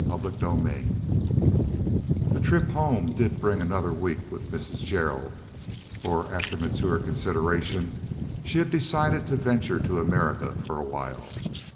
CHAPTER XLVII The trip home did bring another week with Mrs. Gerald, for after mature consideration she had decided to venture to America for a while.